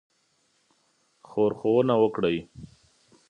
ښورښونه وکړي.